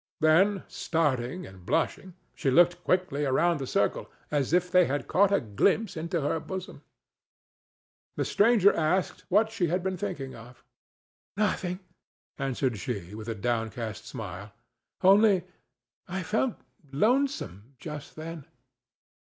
Then, starting and blushing, she looked quickly around the circle, as if they had caught a glimpse into her bosom. The stranger asked what she had been thinking of. "Nothing," answered she, with a downcast smile; "only I felt lonesome just then."